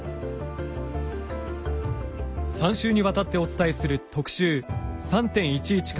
３週にわたってお伝えする特集